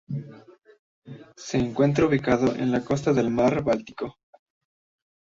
Se encuentra ubicado en la costa del mar Báltico.